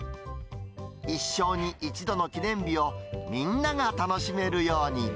一生に一度の記念日をみんなが楽しめるように。